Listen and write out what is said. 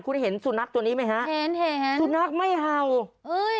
คุณเห็นสุนัขตัวนี้ไหมฮะเห็นเห็นสุนัขไม่เห่าเอ้ย